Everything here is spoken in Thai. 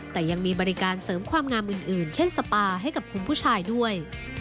แต่ยังมีบริการเสริมความงามอื่นเช่นสปาให้กับคุณผู้ชายด้วย